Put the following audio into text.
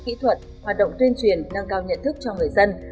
kỹ thuật hoạt động tuyên truyền nâng cao nhận thức cho người dân